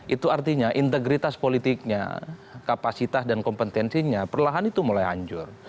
itu artinya integritas politiknya kapasitas dan kompetensinya perlahan itu mulai hancur